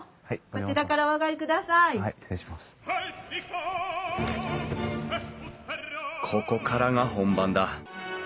ここからが本番だ。